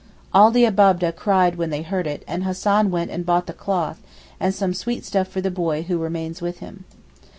All the Abab'deh cried when they heard it, and Hassan went and bought the cloth, and some sweet stuff for the boy who remains with him.